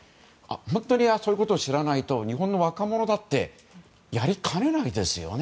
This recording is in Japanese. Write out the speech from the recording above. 本当にそういうことを知らないと日本の若者だってやりかねないですよね。